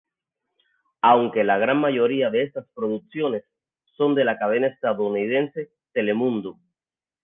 Aunque la gran mayoría de estas producciones son de la cadena estadounidense Telemundo.